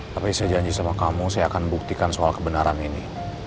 tapi saya janji sama kamu saya akan buktikan soal kebenaran ini